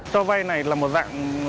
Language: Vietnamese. cho vay này là một dạng